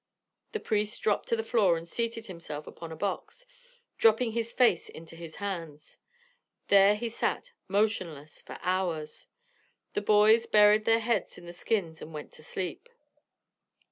The priest dropped to the floor and seated himself upon a box, dropping his face into his hands. There he sat, motionless, for hours. The boys buried their heads in the skins and went to sleep.